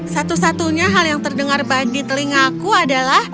satu satunya hal yang terdengar di telingaku adalah